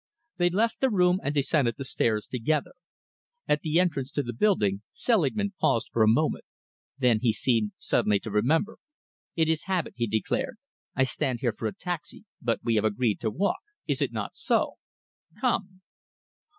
They left the room and descended the stairs together. At the entrance to the building, Selingman paused for a moment. Then he seemed suddenly to remember. "It is habit," he declared. "I stand here for a taxi, but we have agreed to walk, is it not so? Come!"